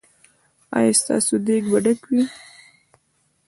ایا ستاسو دیګ به ډک وي؟